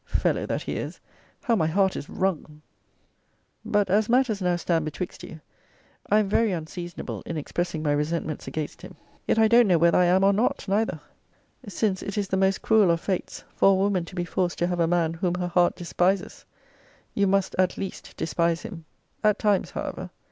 Fellow, that he is! How my heart is wrung But as matters now stand betwixt you, I am very unseasonable in expressing my resentments against him. Yet I don't know whether I am or not, neither; since it is the most cruel of fates, for a woman to be forced to have a man whom her heart despises. You must, at least, despise him; at times, however.